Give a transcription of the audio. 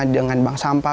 dengan bank sampah